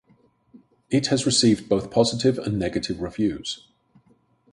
It has received both positive and negative reviews.